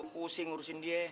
pusing ngurusin dia